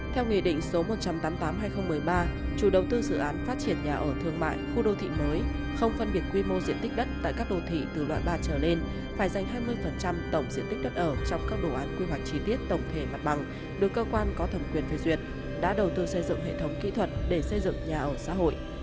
theo nghị định số một trăm tám mươi tám hai nghìn một mươi ba chủ đầu tư dự án phát triển nhà ở thương mại khu đô thị mới không phân biệt quy mô diện tích đất tại các đô thị từ loại ba trở lên phải dành hai mươi tổng diện tích đất ở trong các đồ án quy hoạch chi tiết tổng thể mặt bằng được cơ quan có thẩm quyền phê duyệt đã đầu tư xây dựng hệ thống kỹ thuật để xây dựng nhà ở xã hội